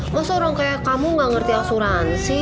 masa orang kayak kamu gak ngerti asuransi